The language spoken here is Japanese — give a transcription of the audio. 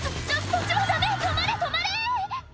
そっちはダメ止まれ止まれ！」